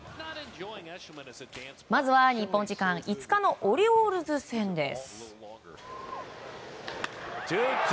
まずは日本時間５日のオリオールズ戦です。